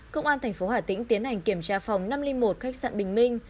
công an tp hà tĩnh tiến hành kiểm tra phòng năm trăm linh một khách sạn bình minh